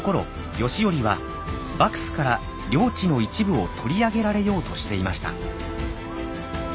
慶頼は幕府から領地の一部を取り上げられようとしていました。